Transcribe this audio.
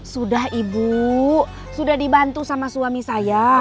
sudah ibu sudah dibantu sama suami saya